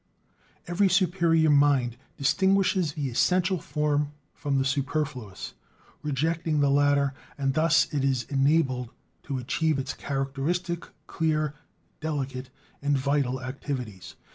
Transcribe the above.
Every superior mind distinguishes the essential form from the superfluous, rejecting the latter, and thus it is enabled to achieve its characteristic, clear, delicate, and vital activities.